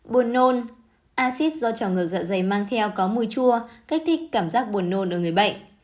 buồn nôn acid do trào ngược dạ dày mang theo có mùi chua kích thích cảm giác buồn nôn ở người bệnh